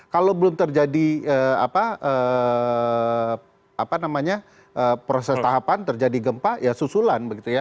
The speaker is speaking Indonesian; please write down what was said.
kalau belum terjadi proses tahapan terjadi gempa ya susulan